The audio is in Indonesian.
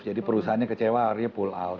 jadi perusahaannya kecewa akhirnya pull out